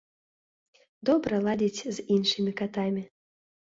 Добра ладзіць з іншымі катамі.